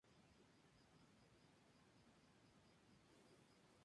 Más adelante trabajaron en "The Gipsy Earl".